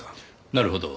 なるほど。